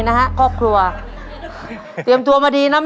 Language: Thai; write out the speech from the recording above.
เพื่อชิงทุนต่อชีวิตสูงสุด๑ล้านบาท